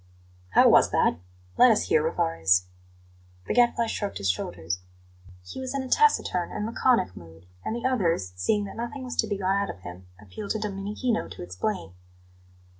"How was that? Let us hear, Rivarez." The Gadfly shrugged his shoulders. He was in a taciturn and laconic mood, and the others, seeing that nothing was to be got out of him, appealed to Domenichino to explain.